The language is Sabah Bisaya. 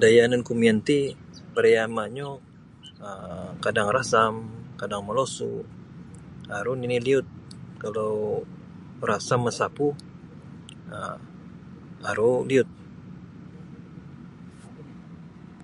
Da yananku miyan ti pariama'nyo um kadang rasam kadang molosu' aru nini' liud kalau rasam masapu um aru liud.